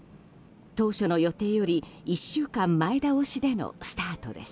当初の予定より１週間前倒しでのスタートです。